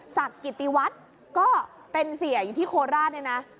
ศักดิ์กิติวัตรก็เป็นเสียอยู่ที่โคลาสนะ